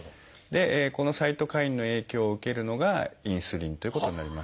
このサイトカインの影響を受けるのがインスリンということになります。